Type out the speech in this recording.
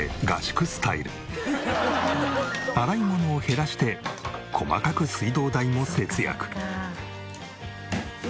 洗い物を減らして細かく水道代も節約。